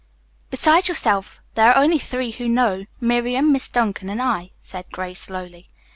"Besides yourself, there are only three who know, Miriam, Miss Duncan and I," said Grace slowly.